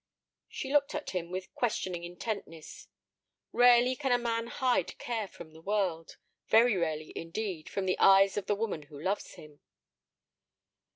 She looked at him with questioning intentness. Rarely can a man hide care from the world—very rarely, indeed, from the eyes of the woman who loves him.